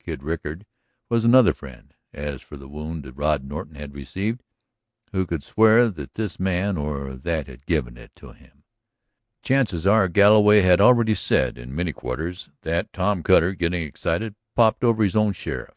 Kid Rickard was another friend. As for the wound Rod Norton had received, who could swear that this man or that had given it to him? "The chances are," Galloway had already said in many quarters, "that Tom Cutter, getting excited, popped over his own sheriff."